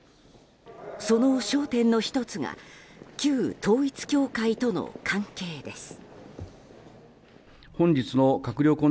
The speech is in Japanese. その焦点の１つが旧統一教会との関係です。